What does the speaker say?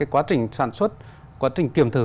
quá trình sản xuất quá trình kiểm thử